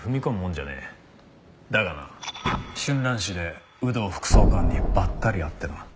だがな春蘭市で有働副総監にばったり会ってな。